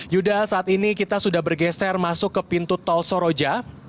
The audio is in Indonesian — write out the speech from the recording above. yuda saat ini kita sudah bergeser masuk ke pintu tol soroja